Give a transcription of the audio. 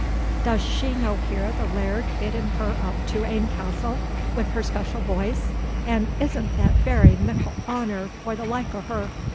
does she no hear the Laird bidding her up to her ain castle, wi' her special voice, and isna that very mickle honour for the like o' her?"